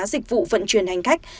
dịch vụ vận chuyển hành khách